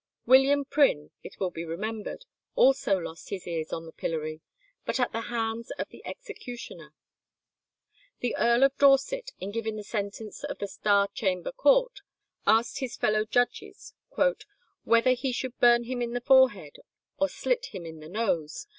William Prynne, it will be remembered, also lost his ears on the pillory, but at the hands of the executioner. The Earl of Dorset, in giving the sentence of the Star Chamber Court, asked his fellow judges "whether he should burn him in the forehead, or slit him in the nose?